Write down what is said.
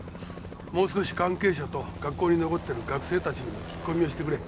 もう少し関係者と学校に残ってる学生たちにも聞き込みをしてくれ。